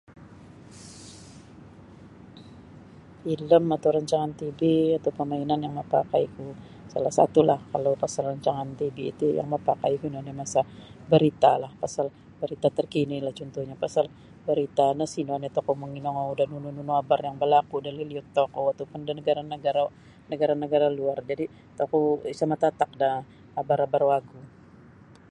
Filem atau rancangan TV atau permainan yang mapakai ku salah satulah kalau pasal rancangan TV ti yang mapakai ku ino nio lah masa baritalah pasal barita terkinilah contohnya pasal barita no sino nio tokou manginagou da nunu-nunu abar yang berlaku da liliud tokou ataupun da negara negara-negara luar jadi tokou isa matatak da abar abar wagu.